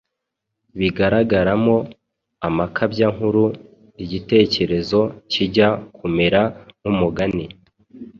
bigaragaramo amakabyankuru. Igitekerezo kijya kumera nk’umugani